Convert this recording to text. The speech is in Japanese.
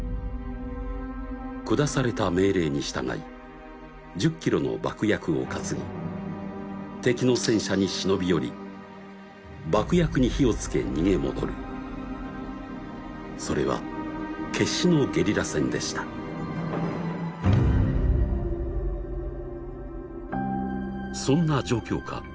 下された命令に従い１０キロの爆薬を担ぎ敵の戦車に忍び寄り爆薬に火をつけ逃げ戻るそれは決死のゲリラ戦でしたそんな状況下